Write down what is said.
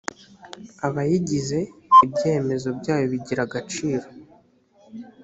abayigize ibyemezo byayo bigira agaciro